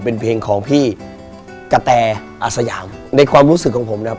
เป็นเพลงของพี่กะแตอาสยามในความรู้สึกของผมนะครับ